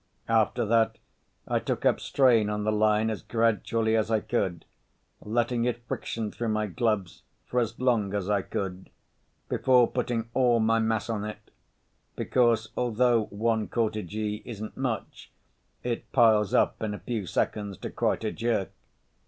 After that I took up strain on the line as gradually as I could, letting it friction through my gloves for as long as I could before putting all my mass on it—because although one quarter G isn't much, it piles up in a few seconds to quite a jerk.